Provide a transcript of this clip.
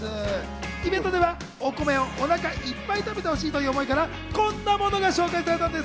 イベントではお米をお腹いっぱい食べてほしいという思いから、こんなものが紹介されたんです。